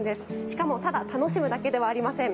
しかもただ楽しむだけではありません。